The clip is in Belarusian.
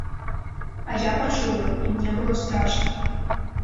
А я пачула, і мне было страшна.